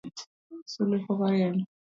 Sulwe pok orieny.